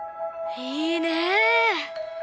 いいね。